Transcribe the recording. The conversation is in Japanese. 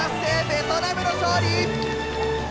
ベトナムの勝利！